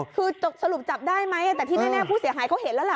คือสรุปจับได้ไหมแต่ที่แน่ผู้เสียหายเขาเห็นแล้วล่ะ